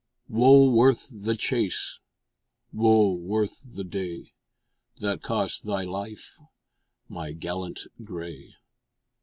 "Wo worth the chase. Wo worth the day, That cost thy life, my gallant grey!"